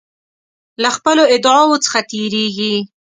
له خپلو ادعاوو څخه تیریږي.